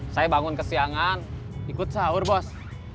saya bangun ke siangan ikut sahur bos